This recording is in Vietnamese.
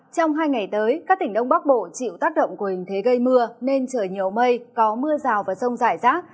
trong hai ngày tới các tỉnh đông bắc bộ chịu tác động của hình thế gây mưa nên trời nhiều mây có mưa rào và rông rải rác